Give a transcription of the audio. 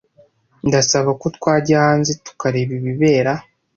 Ndasaba ko twajya hanze tukareba ibibera.